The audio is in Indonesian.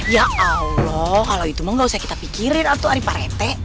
ya allah kalau itu mah gak usah kita pikirin atau ari parete